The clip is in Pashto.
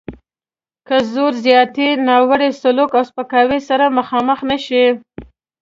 له زور زیاتي، ناوړه سلوک او سپکاوي سره مخامخ نه شي.